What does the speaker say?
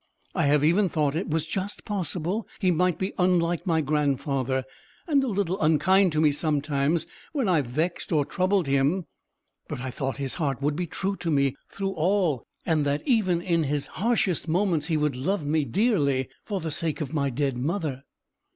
I have even thought that it was just possible he might be unlike my grandfather, and a little unkind to me sometimes when I vexed or troubled him: but I thought his heart would be true to me through all, and that even in his harshest moments he would love me dearly, for the sake of my dead mother."